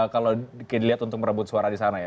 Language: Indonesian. kalau dilihat untuk merebut suara di sana ya